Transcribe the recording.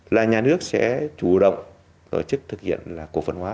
là nhà nước sẽ chủ động tổ chức thực hiện là cổ phần hóa